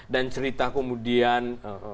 dan cerita kemudian